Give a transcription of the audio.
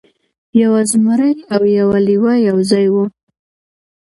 یو زمری او یو لیوه یو ځای وو.